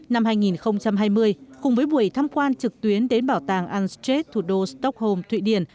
năm hai nghìn hai mươi cùng với buổi tham quan trực tuyến đến bảo tàng anstreet thủ đô stockholm thụy điển